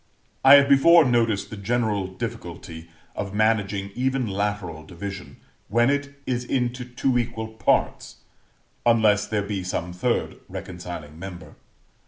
I have before noticed the general difficulty of managing even lateral division, when it is into two equal parts, unless there be some third reconciling member.